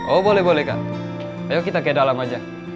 oh boleh boleh kan ayo kita ke dalam aja